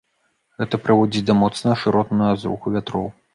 Гэта прыводзіць да моцнага шыротнага зруху вятроў.